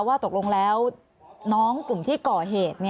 ว่าตกลงแล้วน้องกลุ่มที่ก่อเหตุ